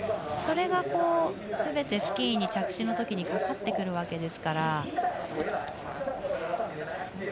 それがすべてスキーに着地のときかかってくるわけですから。